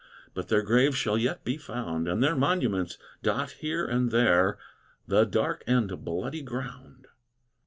But their graves shall yet be found, And their monuments dot here and there "The Dark and Bloody Ground."